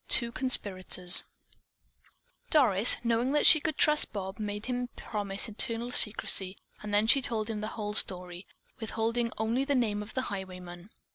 TWO CONSPIRATORS Doris, knowing that she could trust Bob, made him promise eternal secrecy and then she told him the whole story, withholding only the name of the highwayman.